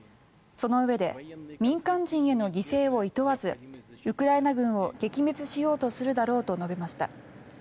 そのうえで民間人への犠牲をいとわずウクライナ軍を撃滅しようとするだろうと述べました。